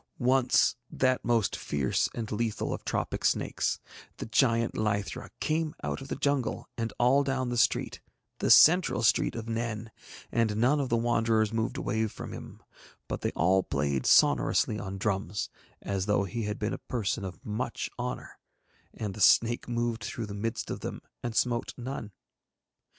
Once that most fierce and lethal of tropic snakes, the giant lythra, came out of the jungle and all down the street, the central street of Nen, and none of the Wanderers moved away from him, but they all played sonorously on drums, as though he had been a person of much honour; and the snake moved through the midst of them and smote none.